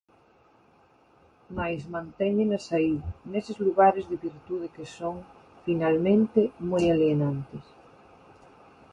Mais mantéñenas aí, neses lugares de virtude que son, finalmente, moi alienantes.